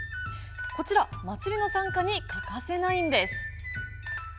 こちら祭りの参加に欠かせないんです。